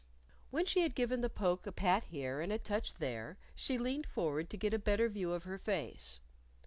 When she had given the poke a pat here and a touch there, she leaned forward to get a better view of her face.